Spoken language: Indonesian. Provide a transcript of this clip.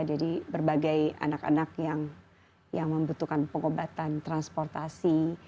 jadi berbagai anak anak yang membutuhkan pengobatan transportasi